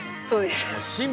そうです。